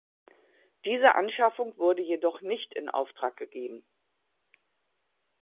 Diese Anschaffung wurde jedoch nicht in Auftrag gegeben.